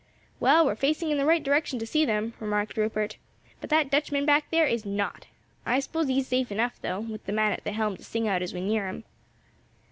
"Well, we're facing in the right direction to see them," remarked Rupert, "but that Dutchman back there is not. I s'pose he's safe enough, though, with the man at the helm to sing out as we near them."